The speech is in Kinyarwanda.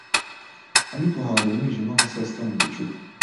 `Ariko hari umwijima nka sasita mugicuku